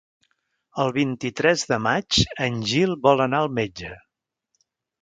El vint-i-tres de maig en Gil vol anar al metge.